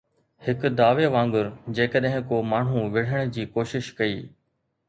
هڪ دعوي وانگر جيڪڏهن ڪو ماڻهو وڙهڻ جي ڪوشش ڪئي